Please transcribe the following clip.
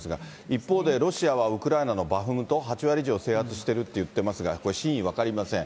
一方でロシアは、ウクライナのバフムト、８割以上制圧してるって言ってますが、これ真意分かりません。